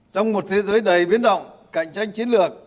trong một thế giới đầy biến động cạnh tranh chiến lược